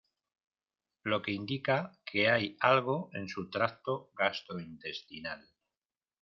lo que indica que hay algo en su tracto gastrointestinal